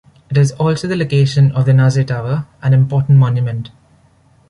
It is also the location of the Naze Tower, an important monument.